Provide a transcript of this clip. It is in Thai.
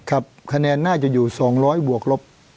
คะแนนน่าจะอยู่๒๐๐บวกลบ